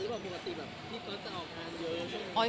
ปกติแบบที่เฟิร์สจะออกงานเยอะ